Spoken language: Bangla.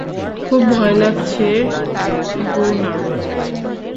খুব ভয় লাগছে, গুনা।